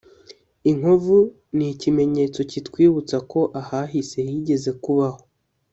Inkovu ni ikimenyetso kitwibutsa ko ahahise higeze kubaho